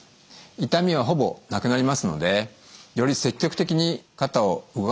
痛みはほぼなくなりますのでより積極的に肩を動かすのがよいと思います。